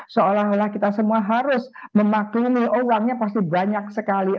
seolah olah kita semua harus memaklumi uangnya pasti banyak sekali